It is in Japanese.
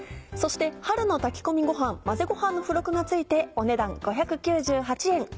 そして春の炊き込みごはん混ぜごはんの付録が付いてお値段５９８円。